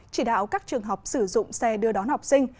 chỉ đạo các trường học sử dụng xe đưa đón học sinh